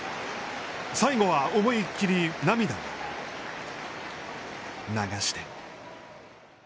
最後は、思いっきり涙を流して。